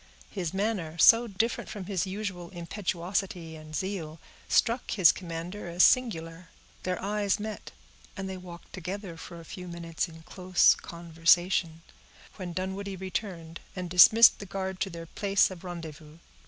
His manner, so different from his usual impetuosity and zeal, struck his commander as singular. Their eyes met, and they walked together for a few minutes in close conversation, when Dunwoodie returned, and dismissed the guard to their place of rendezvous.